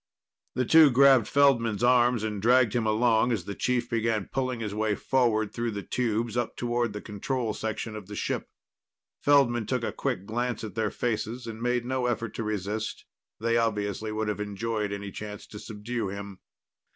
The two grabbed Feldman's arms and dragged him along as the chief began pulling his way forward through the tubes up towards the control section of the ship. Feldman took a quick glance at their faces and made no effort to resist; they obviously would have enjoyed any chance to subdue him.